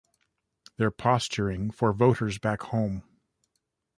They're posturing for voters back home.